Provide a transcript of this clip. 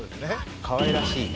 かわいらしい。